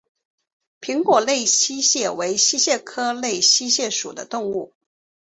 平果内溪蟹为溪蟹科内溪蟹属的动物。